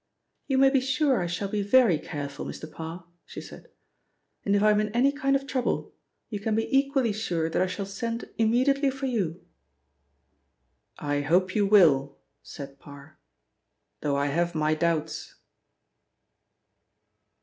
"You may be sure I shall be very careful, Mr. Parr," she said, "and if I am in any kind of trouble, you can be equally sure that I shall send immediately for you!" "I hope you will," said Parr, "though I have my doubts."